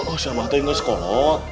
oh si abah itu nggak sekolot